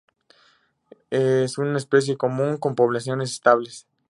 Es una especie común, con poblaciones estables.